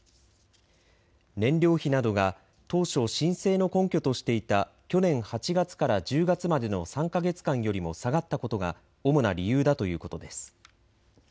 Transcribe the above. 燃料費などが当初、申請の根拠としていた去年８月から１０月までの３か月間よりも下がったことが主な理由だということです。